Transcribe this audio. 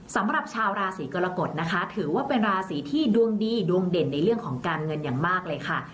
สำหรับชาวราศีกรกฎนะคะถือว่าเป็นราศีที่ดวงดีดวงเด่นในเรื่องของการเงินอย่างมากเลยค่ะ